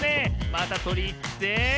またとりにいって。